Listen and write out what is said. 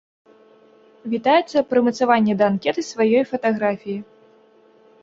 Вітаецца прымацаванне да анкеты сваёй фатаграфіі.